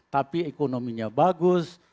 tapi ekonominya bagus